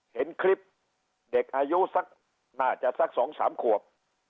เห็นคลิปเด็กอายุสักน่าจะสัก๒๓ขวบ